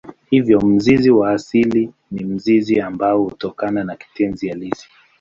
Hivyo mzizi wa asili ni mzizi ambao hutokana na kitenzi halisi.